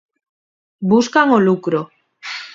Buscan o lucro.